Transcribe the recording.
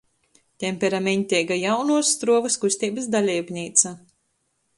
Temperameņteiga "Jaunuos struovys" kusteibys daleibneica,